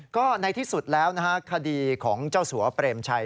ก็ในที่สุดแล้วนะฮะคดีของเจ้าสัวเปรมชัย